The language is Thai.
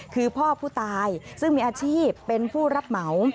คือพ่อผู้ตายซึ่งมีอาชีพเป็นผู้รับเหมา